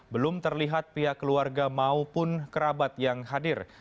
belum terlihat pihak keluarga maupun kerabat yang hadir